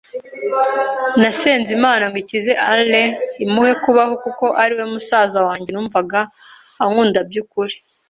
Nasenze Imana ngo ikize Allen imuhe kubaho, kuko ari we musaza wanjye numvaga ankunda by’ukuri,